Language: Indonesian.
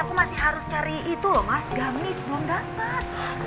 aku masih harus cari itu loh mas gamis belum dapat